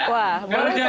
wah baru cepat